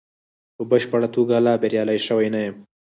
په بشپړه توګه لا بریالی شوی نه یم.